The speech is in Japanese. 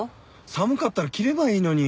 寒かったら着ればいいのに。